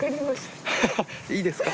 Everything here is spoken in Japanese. いいですか？